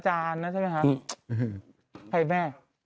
ใครแม่